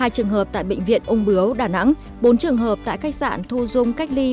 hai trường hợp tại bệnh viện ung bướu đà nẵng bốn trường hợp tại khách sạn thu dung cách ly